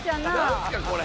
何すかこれ。